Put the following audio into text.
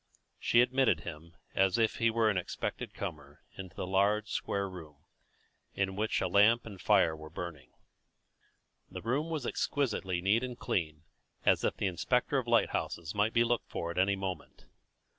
She admitted him, as if he were an expected comer, into a large square room, in which a lamp and a fire were burning. The room was exquisitely neat and clean, as if the inspector of lighthouses might be looked for at any moment.